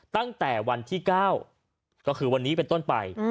ตั้งแต่วันที่๙ก็คือวันนี้เป็นต้นไป